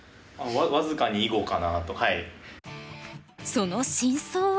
その真相は？